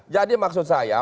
jadi maksud saya